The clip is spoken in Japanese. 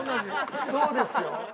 そうですよ。